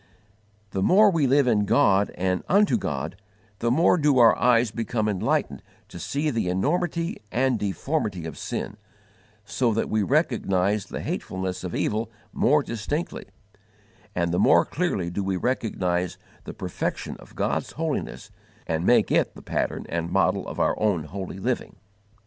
The more we live in God and unto God, the more do our eyes become enlightened to see the enormity and deformity of sin, so that we recognize the hatefulness of evil more distinctly: and the more clearly do we recognize the perfection of God's holiness and make it the pattern and model of our own holy living.